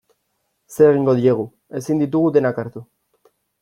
Zer egingo diegu, ezin ditugu denak hartu.